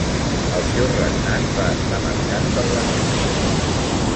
El seu regnat va estar marcat per l'anarquia.